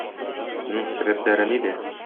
Моның сәбәпләре нидә?